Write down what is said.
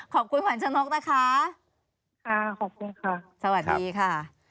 ขอบคุณขวัญชนกนะคะค่ะขอบคุณค่ะสวัสดีค่ะ